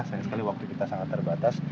sayang sekali waktu kita sangat terbatas